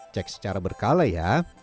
cek secara berkala ya